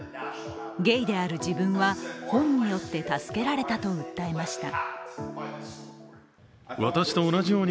ゲイである自分は、本によって助けられたと訴えました。